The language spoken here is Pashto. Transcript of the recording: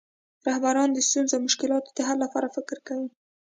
رهبران د ستونزو او مشکلاتو د حل لپاره فکر کوي.